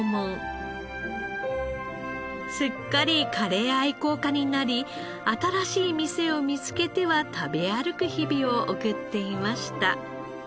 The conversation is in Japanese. すっかりカレー愛好家になり新しい店を見つけては食べ歩く日々を送っていました。